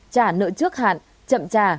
trả nợ trước hạn chậm trả